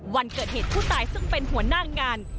วันเกิดเหตุผู้ตายซึ่งเป็นหัวหน้างาน